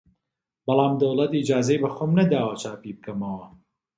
بەڵام دەوڵەت ئیجازەی بە خۆم نەداوە چاپی بکەمەوە!